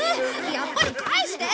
やっぱり返して！